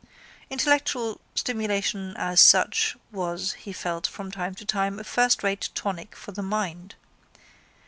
Intellectual stimulation, as such, was, he felt, from time to time a firstrate tonic for the mind.